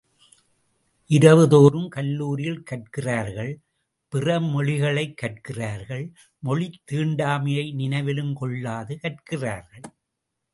இரவுதோறும் கல்லூரியில் கற்கிறார்கள் பிற மொழிகளைக் கற்கிறார்கள் மொழித் தீண்டாமையை நினைவிலும் கொள்ளாது கற்கிறார்கள்.